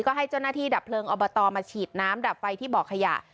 ก็ให้เจ้าหน้าที่ดับเพลิงอบตมาฉีดน้ำดับไฟที่เบาะขยะ